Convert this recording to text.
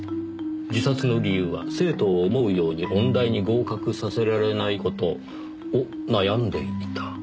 自殺の理由は「生徒を思うように音大に合格させられない事を悩んでいた」。